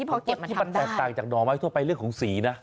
พอเก็บมาที่มันแตกต่างจากหน่อไม้ทั่วไปเรื่องของสีนะ